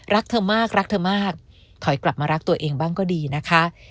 รักเธอมากรักเธอมากถอยกลับมารักตัวเองบ้างก็ดีนะคะ